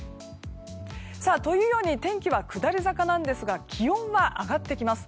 というように天気は下り坂なんですが気温は上がってきます。